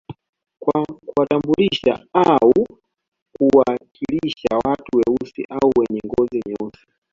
Kwa kuwatambulisha au kuwakilisha watu weusi au wenye ngoz nyeusi